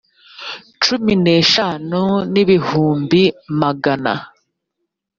cumi n eshanu n ibihumbi magana